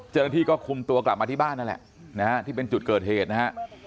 เจ้าหน้าที่ก็คุมตัวกลับมาที่บ้านนั่นแหละนะฮะที่เป็นจุดเกิดเหตุนะฮะ